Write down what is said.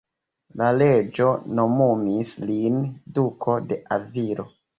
La reĝo nomumis lin Duko de Avilo.